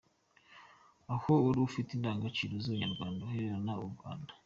Aho uri ufite indangagaciro z’Ubunyarwanda uharema u Rwanda.